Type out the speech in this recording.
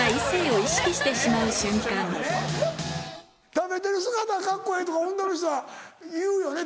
食べてる姿カッコええとか女の人は言うよね